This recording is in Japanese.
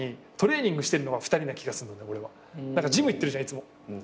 ジム行ってるじゃんいつも。